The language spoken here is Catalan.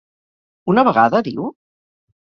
Una vegada, diu?